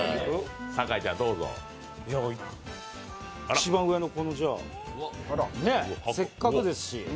一番上の、このじゃあせっかくですし。